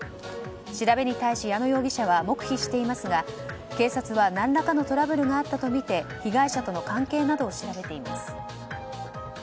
調べに対し、矢野容疑者は黙秘していますが警察は何らかのトラブルがあったとみて被害者との関係などを調べています。